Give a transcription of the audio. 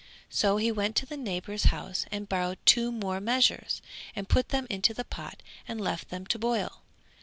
So he went to a neighbour's house and borrowed two more measures, and put them into the pot and left them to boil.